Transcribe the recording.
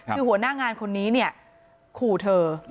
คือหัวหน้างานคนนี้เนี่ยขู่เธอ